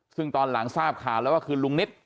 ซึ่งตอนหลังทราบข่าวแล้วว่าคือลุงนิต